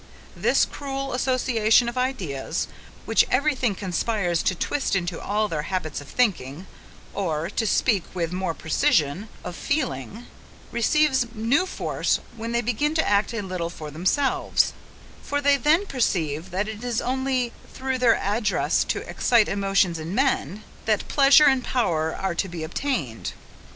This cruel association of ideas, which every thing conspires to twist into all their habits of thinking, or, to speak with more precision, of feeling, receives new force when they begin to act a little for themselves; for they then perceive, that it is only through their address to excite emotions in men, that pleasure and power are to be obtained.